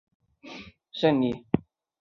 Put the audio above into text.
现效力于日职球队富山胜利。